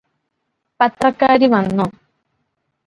പത്രക്കാരി വന്നോ